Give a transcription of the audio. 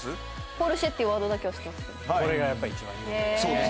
「ポルシェ」ってワードだけは知ってます